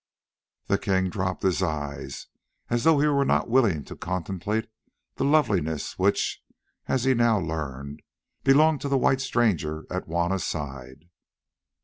The king dropped his eyes as though he were not willing to contemplate the loveliness which, as he now learned, belonged to the white stranger at Juanna's side.